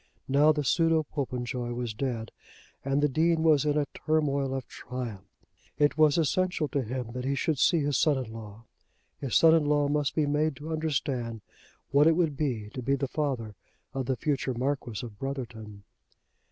Now the pseudo Popenjoy was dead, and the Dean was in a turmoil of triumph. It was essential to him that he should see his son in law. His son in law must be made to understand what it would be to be the father of the future Marquis of Brotherton.